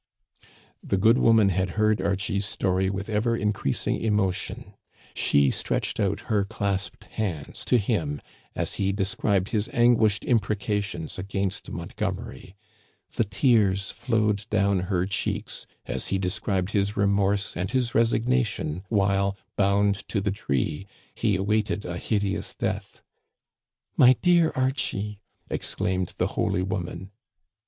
The good woman had heard Archie's story with ever increasing emotion. She stretched out her clasped hands to him as he described his anguished imprecations against Montgomeiy. The tears flowed down her cheeks as he described his remorse and his resignation while, bound to the tree, he awaited a hideous death. " My dear Archie," exclaimed the holy woman.